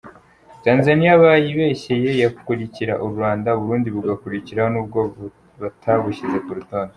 Tanzania bayibeshyeye, yakurikira u Rwanda , uburundi bugakurikiraho nubwo batabushyize kurutonde!.